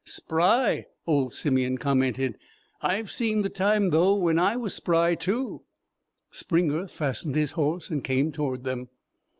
"Spry," old Simeon commented. "I've seen the time, though, when I was spry too." Springer fastened his horse, and came toward them.